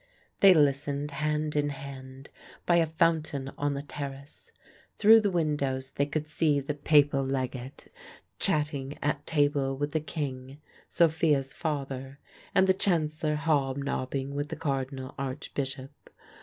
They listened, hand in hand, by a fountain on the terrace. Through the windows they could see the Papal legate chatting at table with the King, Sophia's father, and the Chancellor hobnobbing with the Cardinal Archbishop.